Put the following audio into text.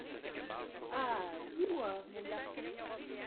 Ah ! dis-moi, mon garçon…